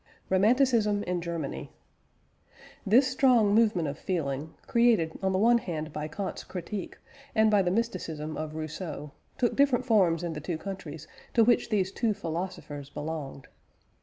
ROMANTICISM IN GERMANY. This strong movement of feeling, created on the one hand by Kant's Critique, and by the mysticism of Rousseau, took different forms in the two countries to which these two philosophers belonged.